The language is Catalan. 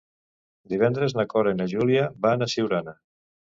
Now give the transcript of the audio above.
Divendres na Cora i na Júlia van a Siurana.